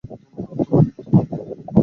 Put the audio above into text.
আমি হলাম তোমার মৃত্যু!